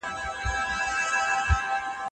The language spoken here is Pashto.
بیولوژي خپله لاره له نورو علومو بېله کړه.